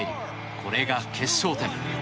これが決勝点。